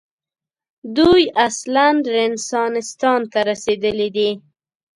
دوی اصلاً رنسانستان ته رسېدلي دي.